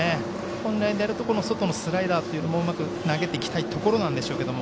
本来であれば、外のスライダーをうまく投げていきたいところなんでしょうけれども。